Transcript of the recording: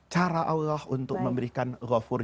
cara allah untuk memberikan ghafur